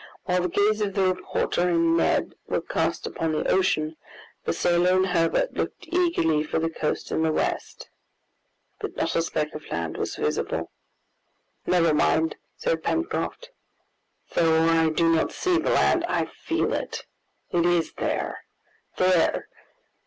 While the gaze of the reporter and Neb were cast upon the ocean, the sailor and Herbert looked eagerly for the coast in the west. But not a speck of land was visible. "Never mind," said Pencroft, "though I do not see the land, I feel it... it is there... there...